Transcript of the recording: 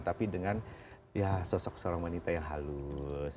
tapi dengan sosok seorang wanita yang halus